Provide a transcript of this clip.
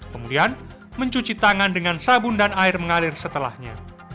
kemudian mencuci tangan dengan sabun dan air mengalir setelahnya